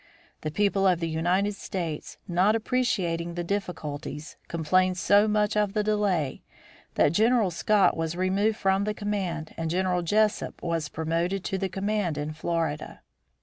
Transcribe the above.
The people of the United States, not appreciating the difficulties, complained so much of the delay that General Scott was removed from the command and General Jesup was promoted to the command in Florida.